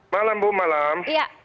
malam bu malam